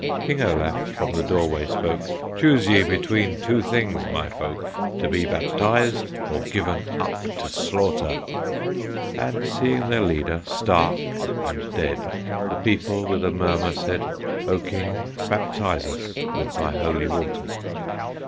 King Olaf from the doorway spoke: "Choose ye between two things, my folk, To be baptized or given up to slaughter!" And seeing their leader stark and dead, The people with a murmur said, "O King, baptize us with thy holy water!"